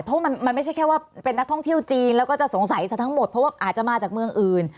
เพราะมันไม่ใช่แค่ว่าเป็นนักท่องเที่ยวจีนแล้วก็จะสงสัยซะทั้งหมดเพราะว่าอาจจะมาจากเมืองอื่น